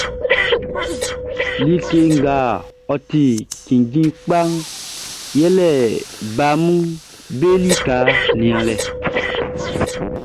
Like ngʼɔ ti kinndjin kpaʼn yɛle baʼm be lika nianlɛʼn.